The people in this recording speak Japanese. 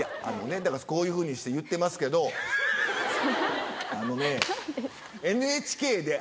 あのねだからこういうふうにして言ってますけどあのね。